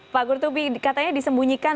pak gurtubi katanya disembunyikan